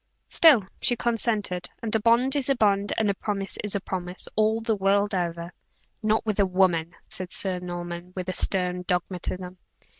"Still she consented; and a bond is a bond, and a promise a promise, all the world over." "Not with a woman," said Sir Norman, with stern dogmatism.